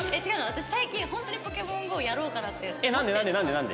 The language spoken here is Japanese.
私最近ホントに『ポケモンＧＯ』やろうかなって思ってるの。